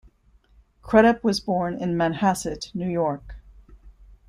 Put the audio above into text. Crudup was born in Manhasset, New York.